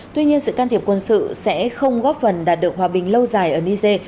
tuy nhiên sự can thiệp quân sự sẽ không góp phần đạt được hòa bình lâu dài ở niger